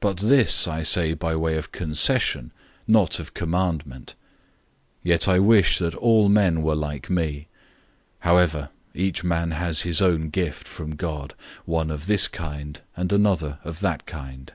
007:006 But this I say by way of concession, not of commandment. 007:007 Yet I wish that all men were like me. However each man has his own gift from God, one of this kind, and another of that kind.